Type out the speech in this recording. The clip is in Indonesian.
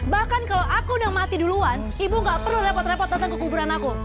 bahkan kalau aku udah mati duluan ibu gak perlu repot repot datang ke kuburan aku